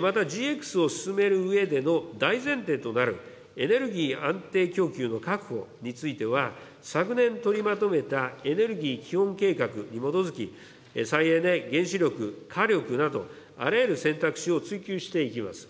また、ＧＸを進めるうえでの大前提となるエネルギー安定供給の確保については、昨年取りまとめたエネルギー基本計画に基づき、再エネ、原子力、火力など、あらゆる選択肢を追求していきます。